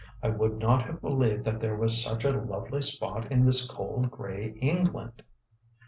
"I would not have believed that there was such a lovely spot in this cold, grey England."